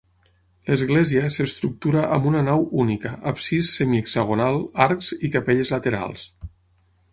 L'església s'estructura amb una nau única, absis semi hexagonal, arcs i capelles laterals.